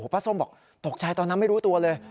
ส้มบอกตกใจตอนนั้นไม่รู้ตัวเลย